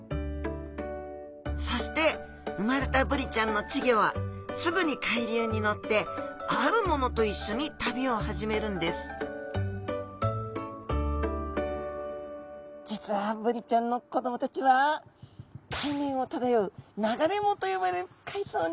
そして生まれたブリちゃんの稚魚はすぐに海流に乗ってあるものと一緒に旅を始めるんです実はブリちゃんの子どもたちは海面を漂う流れ藻と呼ばれる海藻に乗っかって。